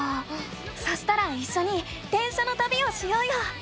そしたらいっしょに電車のたびをしようよ！